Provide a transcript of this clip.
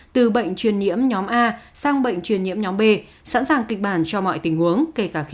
từ bệnh truyền nhiễm nhóm a sang bệnh truyền nhiễm nhóm b sẵn sàng kịch bản cho mọi tình huống